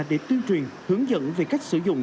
để tuyên truyền hướng dẫn về cách sử dụng